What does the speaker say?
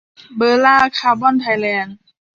เบอร์ล่า คาร์บอน ไทยแลนด์